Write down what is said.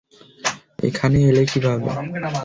এখানে এলে কিভাবে?